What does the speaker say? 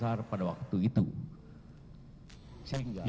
apa yang terjadi pada waktu itu